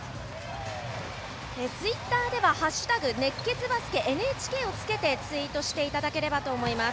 ツイッターでは「＃熱血バスケＮＨＫ」をつけてツイートしていただければと思います。